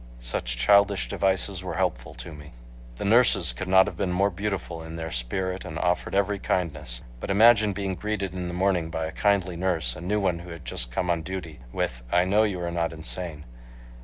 Such childish devices were helpful to me. The nurses could not have been more beautiful in their spirit and offered every kindness. But imagine being greeted in the morning by a kindly nurse, a new one who had just come on duty, with, "I know you are not insane."